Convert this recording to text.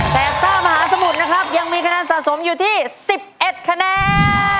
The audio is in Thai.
แต่ซ่ามหาสมุทรนะครับยังมีคะแนนสะสมอยู่ที่๑๑คะแนน